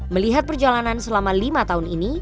melihat perjalanan selama lima tahun ini